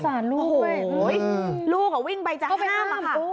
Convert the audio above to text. โอ้โฮลูกอ่ะวิ่งไปจะห้ามอ่ะค่ะ